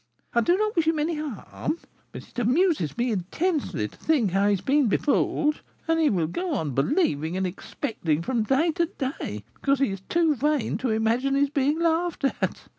I do not wish him any harm, but it amuses me immensely to think how he has been befooled; and he will go on believing and expecting from day to day, because he is too vain to imagine he is being laughed at.